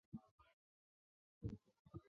本市是肥后国府与肥后国分寺所在地。